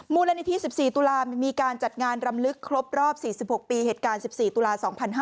มูลนิธิ๑๔ตุลามีการจัดงานรำลึกครบรอบ๔๖ปีเหตุการณ์๑๔ตุลา๒๕๕๙